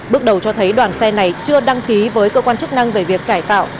bước đầu cho thấy đoàn xe này chưa đăng ký với cơ quan chức năng về việc cải tạo